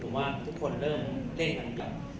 หรือว่าทุกคนเริ่มเล่นกัน